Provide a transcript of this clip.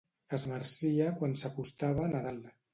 Es marcia quan s'acostava Nadal.